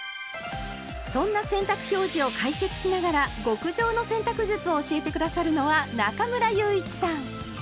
そんな洗濯表示を解説しながら極上の洗濯術を教えて下さるのは中村祐一さん。